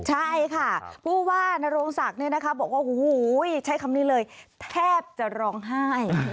ใช่ค่ะผู้ว่านโรงศักดิ์บอกว่าโอ้โหใช้คำนี้เลยแทบจะร้องไห้